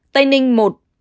tây ninh một